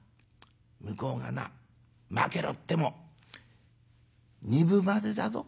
向こうがなまけろっても２分までだぞ。